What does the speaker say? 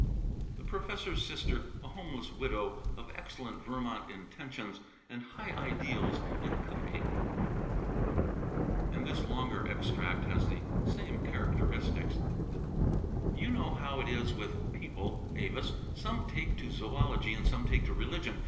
"The professor's sister, a homeless widow, of excellent Vermont intentions and high ideals in cup cake." And this longer extract has the same characteristics: "You know how it is with people, Avis; some take to zoölogy, and some take to religion.